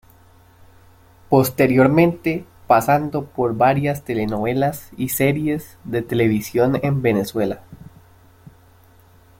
Posteriormente pasando por varias telenovelas y series de televisión en Venezuela.